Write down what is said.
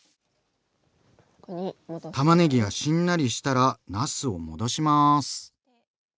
たまねぎがしんなりしたらなすを戻します。